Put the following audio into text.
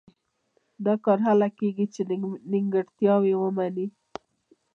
دا کار هله کېږي چې نیمګړتیاوې ومني.